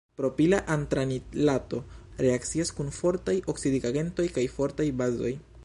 Propila antranilato reakcias kun fortaj oksidigagentoj kaj fortaj bazoj.